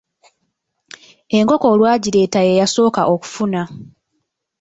Enkoko olwagireeta ye yasooka okufuna!